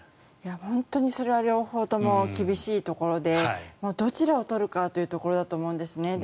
本当にそれは両方とも厳しいところでどちらを取るかというところだと思うんですね。